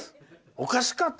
おかしかって。